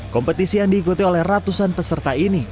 kompetisi yang diikuti oleh ratusan peserta ini